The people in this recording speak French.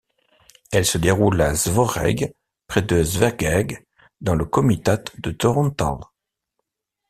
Elle se déroule à Szőreg près de Szeged, dans le comitat de Torontál.